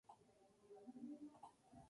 Con este partido termina la Parte Dos.